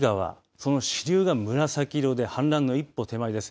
その支流が紫色で氾濫の一歩手前です。